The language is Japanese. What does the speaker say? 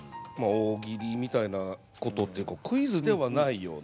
大喜利みたいなことっていうかクイズではないような。